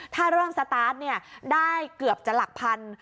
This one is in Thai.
ถ้าเริ่มสตาร์ทได้เกือบจะหลักพัน